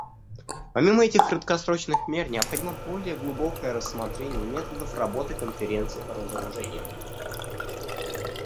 Помимо этих краткосрочных мер, необходимо более глубокое рассмотрение методов работы Конференции по разоружению.